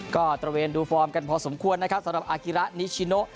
ก็ตระเวนดูฟอร์มกันพอสมควรนะครับสำหรับอากิระนิชิโน